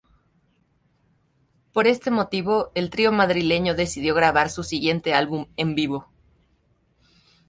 Por este motivo, el trío madrileño decidió grabar su siguiente álbum en vivo.